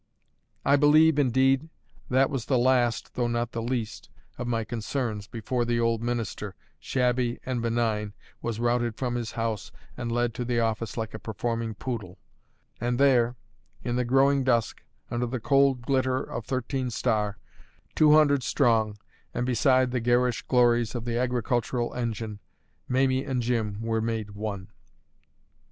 I believe, indeed, that was the last (though not the least) of my concerns, before the old minister, shabby and benign, was routed from his house and led to the office like a performing poodle; and there, in the growing dusk, under the cold glitter of Thirteen Star, two hundred strong, and beside the garish glories of the agricultural engine, Mamie and Jim were made one.